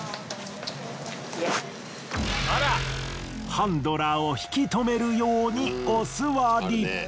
ハンドラーを引き止めるようにおすわり。